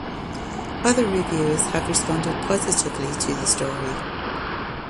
Other reviewers have responded positively to the story.